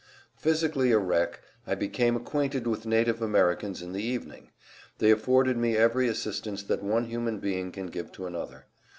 Physically a wreck, I became acquainted with native Americans in the evening. They afforded me every assistance that one human being can give to another.